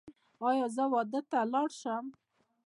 ایا زه واده ته لاړ شم؟